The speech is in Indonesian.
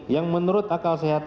yang menurut akal sehat